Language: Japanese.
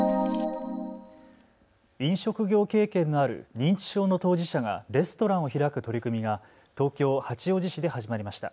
飲食業経験のある認知症の当事者がレストランを開く取り組みが東京八王子市で始まりました。